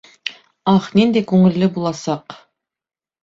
Ах, ниндәй күңелле буласаҡ!